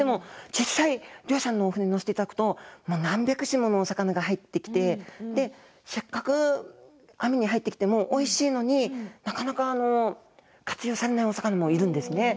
実際、漁師さんのお船に乗せていただくと何百種もの魚が入ってきてせっかく網に入ってきてもおいしいのになかなか活用されないお魚もいるんですね。